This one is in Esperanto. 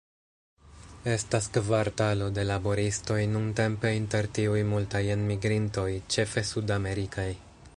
Estas kvartalo de laboristoj, nuntempe inter tiuj multaj enmigrintoj, ĉefe sudamerikaj.